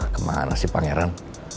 kemana sih pangeran